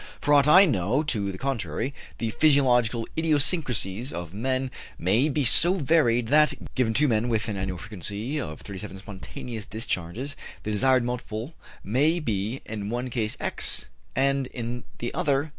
For aught I know to the contrary, the physiological idiosyncrasies of men may be so varied that, given two men with an annual frequency of 37 spontaneous discharges, the desired multiple may be in one case X and in the other 2X.